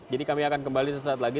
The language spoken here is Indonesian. jadi kami akan kembali sesaat lagi